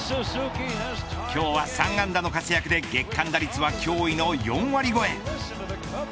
今日は３安打の活躍で月間打率は驚異の４割超え。